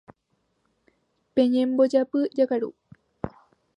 Peñembojápy jakaru.